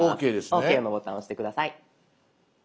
「ＯＫ」のボタン押して下さい。